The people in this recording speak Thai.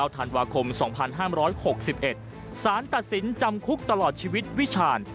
ธันวาคม๒๕๖๑สารตัดสินจำคุกตลอดชีวิตวิชาญ